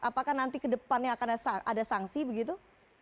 apakah nanti kedepannya akan ada sanksi begitu